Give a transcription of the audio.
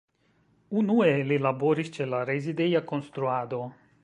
Unue li laboris ĉe la rezideja konstruado.